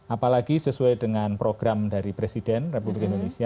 apalagi sesuai dengan program dari presiden republik indonesia